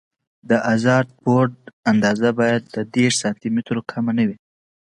د ازاد بورډ اندازه باید له دېرش سانتي مترو کمه نه وي